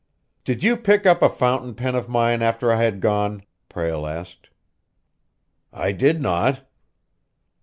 "Did you pick up a fountain pen of mine after I had gone?" Prale asked. "I did not."